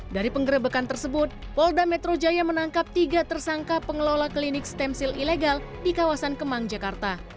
dari penggerebekan tersebut polda metro jaya menangkap tiga tersangka pengelola klinik stem cell ilegal di kawasan kemang jakarta